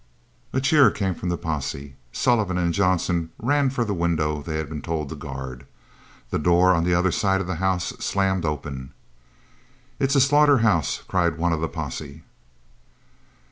A cheer came from the posse. Sullivan and Johnson ran for the window they had been told to guard. The door on the other side of the house slammed open. "It's a slaughter house!" cried one of the posse.